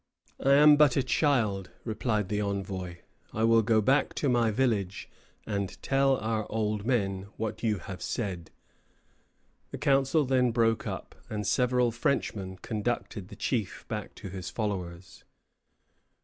"I am but a child," replied the envoy. "I will go back to my village, and tell our old men what you have said." The council then broke up, and several Frenchmen conducted the chief back to his followers.